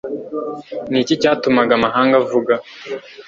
Ni iki cyatuma amahanga avuga